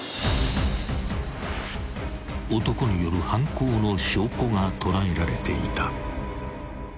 ［男による犯行の証拠が捉えられていた］